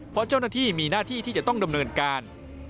เพราะเจ้าหน้าที่มีหน้าที่ที่จะต้องดำเนินการ